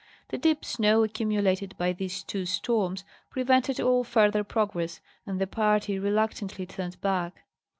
The deep snow accumulated by these two storms. prevented all further progress, and the party reluctantly turned back.